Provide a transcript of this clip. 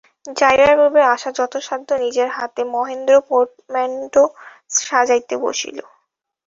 যাইবার পূর্বে আশা যথাসাধ্য নিজের হাতে মহেন্দ্রের পোর্টম্যাণ্টো সাজাইতে বসিল।